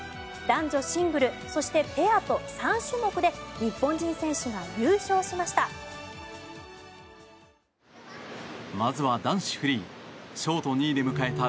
男女シングル、そしてペアと３種目で日本人選手が優勝しました。